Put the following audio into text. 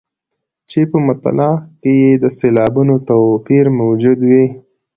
چې په مطلع کې یې د سېلابونو توپیر موجود وي.